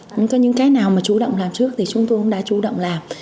không có những cái nào mà chú động làm trước thì chúng tôi cũng đã chú động làm